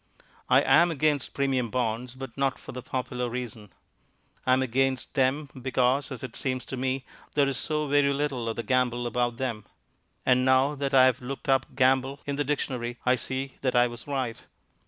I am against Premium Bonds, but not for the popular reason. I am against them because (as it seems to me) there is so very little of the gamble about them. And now that I have looked up "gamble" in the dictionary, I see that I was right.